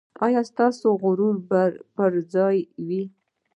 ایا ستاسو غرور به پر ځای وي؟